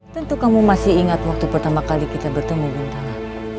tentu kamu masih ingat waktu pertama kali kita bertemu buntana